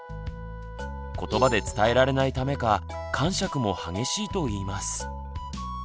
ことばで伝えられないためかかんしゃくも激しいといいます。